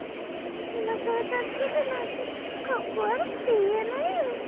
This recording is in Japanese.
いまさらたすけてなんてかっこわるくていえないよ。